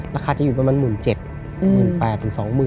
ราคาจะอยู่ประมาณ๑๗๐๐๐๑๙๐๐๐บาท